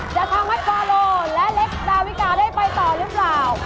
จะทำให้ฟาโลและเล็กดาวิกาได้ไปต่อหรือเปล่า